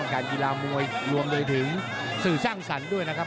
การกีฬามวยรวมไปถึงสื่อสร้างสรรค์ด้วยนะครับ